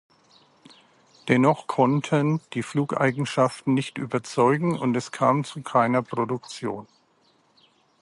Dennoch konnten die Flugeigenschaften nicht überzeugen und es kam zu keiner Produktion.